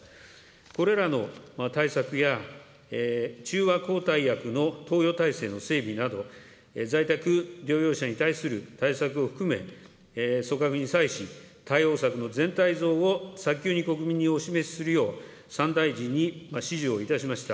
これらの対策や、中和抗体薬の投与体制の整備など、在宅療養者に対する対策を含め、組閣に際し、対応策の全体像を早急に国民にお示しするよう、３大臣に指示をいたしました。